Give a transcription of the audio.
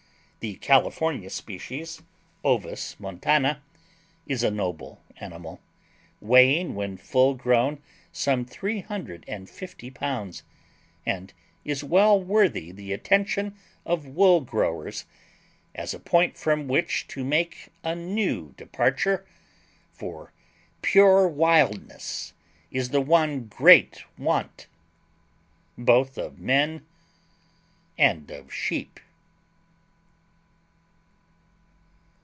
The California species (Ovis montana) is a noble animal, weighing when full grown some three hundred and fifty pounds, and is well worthy the attention of wool growers as a point from which to make a new departure, for pure wildness is the one great want, both of men and of sheep.